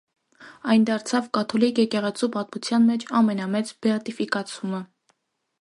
Այն դարձավ կաթոլիկ եկեղեցու պատմության մեջ ամենամեծ բեատիֆֆիկացումը։